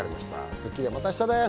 『スッキリ』はまた明日です。